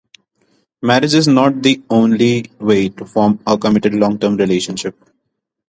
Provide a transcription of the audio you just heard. Marriage is not the only way to form a committed long-term relationship.